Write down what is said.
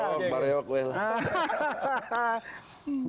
sob barewak weh lah